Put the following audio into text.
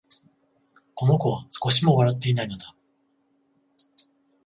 この子は、少しも笑ってはいないのだ